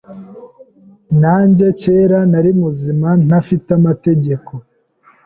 Nanjye kera nari muzima ntafite amategeko